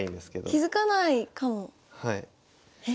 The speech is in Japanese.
気付かないかもえ？